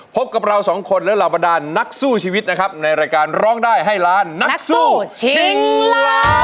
พบกับเราสองคนและเหล่าบรรดานนักสู้ชีวิตนะครับในรายการร้องได้ให้ล้านนักสู้ชิงล้าน